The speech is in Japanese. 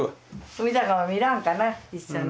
史敬も見らんかな一緒に。